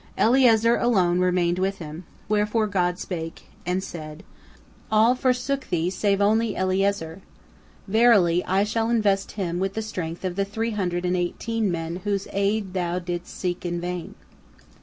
Eliezer alone remained with him, wherefore God spake, and said: "All forsook thee save only Eliezer. Verily, I shall invest him with the strength of the three hundred and eighteen men whose aid thou didst seek in vain."